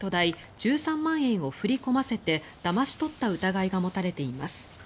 １３万円を振り込ませてだまし取った疑いが持たれています。